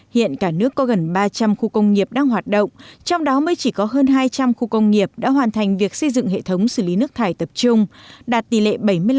hiện cả nước có gần ba trăm linh khu công nghiệp đang hoạt động trong đó mới chỉ có hơn hai trăm linh khu công nghiệp đã hoàn thành việc xây dựng hệ thống xử lý nước thải tập trung đạt tỷ lệ bảy mươi năm